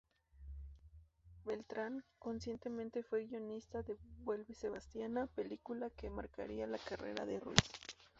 Beltran, coincidentemente fue guionista de "Vuelve Sebastiana", película que marcaría la carrera de Ruiz.